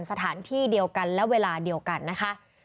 สถานที่เดียวกันและเวลาเดียวกันนะคะ